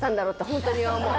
本当に思う。